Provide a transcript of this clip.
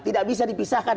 tidak bisa dipisahkan